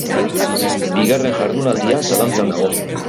Bigarren jardunaldia zalantzan dago.